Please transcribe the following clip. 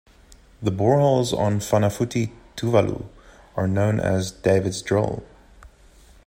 The boreholes on Funafuti, Tuvalu are known as "David's Drill".